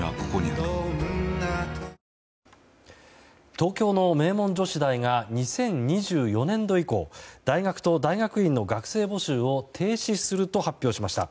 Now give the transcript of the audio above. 東京の名門女子大が２０２４年度以降大学と大学院の学生募集を停止すると発表しました。